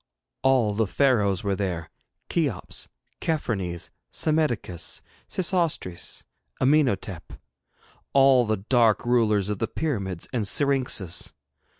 All the Pharaohs were there Cheops, Chephrenes, Psammetichus, Sesostris, Amenotaph all the dark rulers of the pyramids and syrinxes.